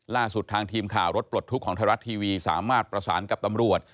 ล่าสุดทางทีมข่าวรถปลดทุกข์ของไทยรัฐทีวีสามารถประสานกับตำรวจ